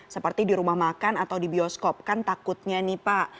seperti di rumah makan atau di bioskop kan takutnya nih pak